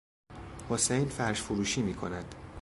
حسین فرش فروشی میکند.